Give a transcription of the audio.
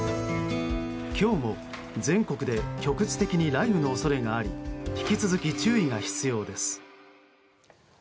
今日も全国で局地的に雷雨の恐れがあり引き続き注意が必要です。